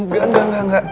gak gak gak gak